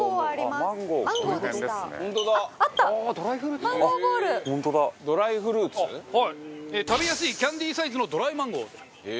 カズレーザー：食べやすいキャンディーサイズのドライマンゴー。